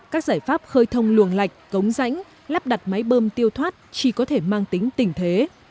các giải pháp khơi thông luồng lạch cống rãnh lắp đặt máy bơm tiêu thoát chỉ có thể mang tính tình thế